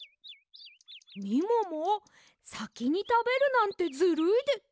みももさきにたべるなんてずるいで。